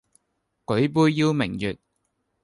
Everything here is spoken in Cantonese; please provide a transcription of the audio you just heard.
舉杯邀明月，